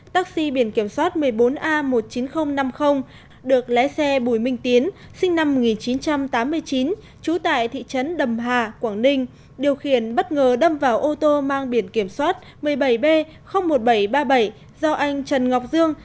taxi biển kiểm soát một mươi bốn a một mươi chín nghìn năm mươi được lé xe bùi minh tiến sinh năm một nghìn chín trăm tám mươi chín trú tại thị trấn đầm hà quảng ninh điều khiển bất ngờ đâm vào ô tô mang biển kiểm soát một mươi bảy b một nghìn bảy trăm ba mươi bảy do anh trần ngọc dương